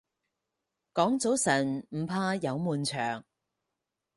講早晨唔怕有悶場